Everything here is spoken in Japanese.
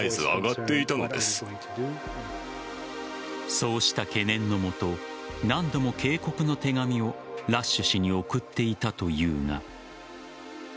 そうした懸念のもと何度も警告の手紙をラッシュ氏に送っていたというが。